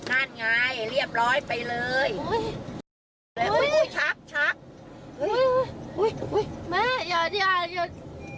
อุ๊ยแม่หยอดหยอด